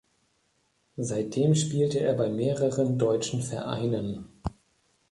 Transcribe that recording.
Seitdem spielte er bei mehreren deutschen Vereinen.